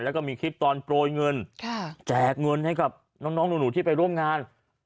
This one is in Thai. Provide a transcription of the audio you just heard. แล้วก็มีคลิปตอนโปรยเงินแจกเงินให้กับน้องหนูที่ไปร่วมงาน